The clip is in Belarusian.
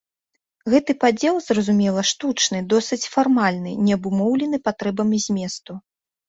Гэты падзел, зразумела, штучны, досыць фармальны, не абумоўлены патрэбамі зместу.